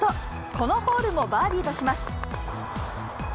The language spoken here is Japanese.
このホールもバーディーとします。